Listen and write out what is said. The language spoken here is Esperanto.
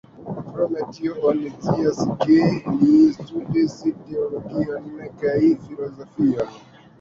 Krom tio, oni scias ke li studis teologion kaj filozofion.